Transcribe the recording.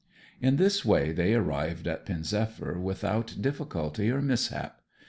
In this way they arrived at Pen zephyr without difficulty or mishap.